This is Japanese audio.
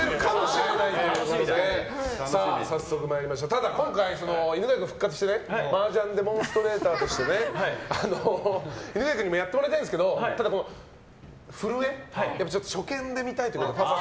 ただ今回、犬飼君が復活してね麻雀デモンストレーターとして犬飼君にもやってもらいたいんですがただ震え、やっぱり初見で見たいということで。